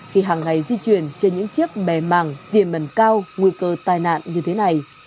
khi hàng ngày di chuyển trên những chiếc bẻ mảng tiềm mần cao nguy cơ tài nạn như thế này